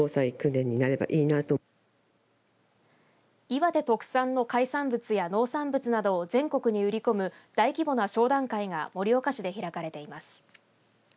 岩手特産の海産物や農産物などを全国に売り込む大規模な商談会が盛岡市で開かれています。